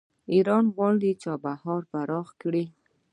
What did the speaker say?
ایران غواړي چابهار پراخ کړي.